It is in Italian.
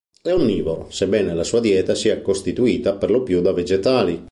È onnivoro, sebbene la sua dieta sia costituita per lo più da vegetali.